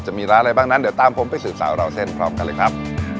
จะมีร้านอะไรบ้างนั้นเดี๋ยวตามผมไปสืบสาวราวเส้นพร้อมกันเลยครับ